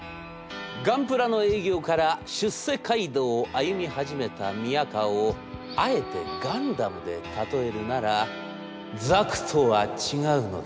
ガンプラの営業から出世街道を歩み始めた宮河をあえてガンダムで例えるなら」